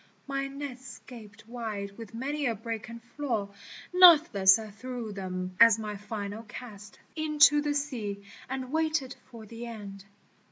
" My nets gaped wide with many a break and flaw Nathless I threw them as my final cast Into the sea, and waited for the end.